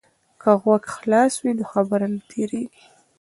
که غوږ خلاص وي نو خبره نه تیریږي.